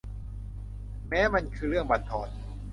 แม้มันคือเรื่องบั่นทอน